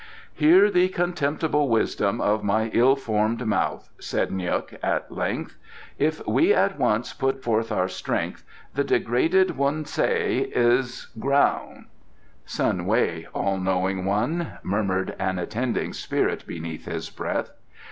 "Hear the contemptible wisdom of my ill formed mouth," said N'guk at length. "If we at once put forth our strength, the degraded Wun Sei is ground " "Sun Wei, All knowing One," murmured an attending spirit beneath his breath.